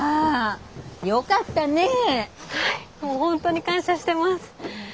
もう本当に感謝してます。